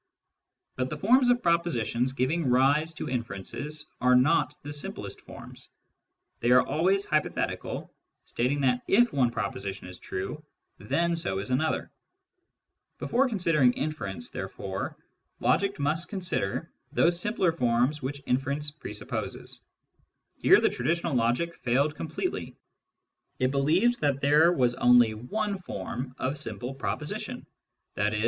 But the forms of propositions giving rise to inferences are not the simplest forms : they are always hypothetical, stating that if one proposition is true, then so is another. Before considering inference, therefore, logic must con Digitized by Google LOGIC AS THE ESSENCE OF PHILOSOPHY 45 sider those simpler forms which inference presupposes. Here the traditional logic failed completely : it believed that there was only one form of simple proposition (i.e.